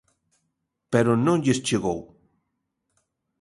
Pero non lles chegou.